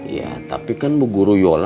ya tapi kan bu guru yola